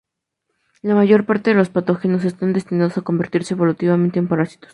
La mayor parte de los patógenos están destinados a convertirse evolutivamente en parásitos.